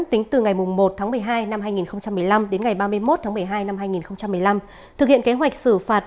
tính từ ngày một tháng một mươi hai năm hai nghìn một mươi năm đến ngày ba mươi một tháng một mươi hai năm hai nghìn một mươi năm thực hiện kế hoạch xử phạt